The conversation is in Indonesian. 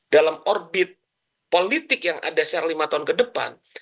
dalam orbit politik yang ada secara lima tahun ke depan